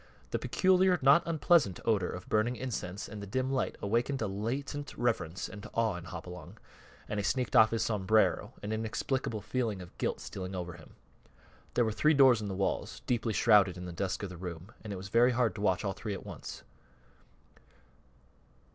The peculiar, not unpleasant odor of burning incense and the dim light awakened a latent reverence and awe in Hopalong, and he sneaked off his sombrero, an inexplicable feeling of guilt stealing over him. There were three doors in the walls, deeply shrouded in the dusk of the room, and it was very hard to watch all three at once.